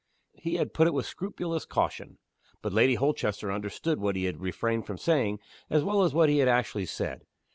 He had put it with scrupulous caution. But Lady Holchester understood what he had refrained from saving as well as what he had actually said.